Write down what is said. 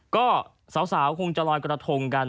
ก็สาวคงจะลอยกระทงกัน